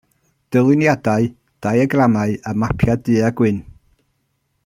Dyluniadau, diagramau a mapiau du-a-gwyn.